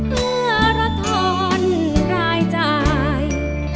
เพื่อราธรรมรายจาย